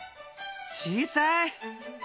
小さい！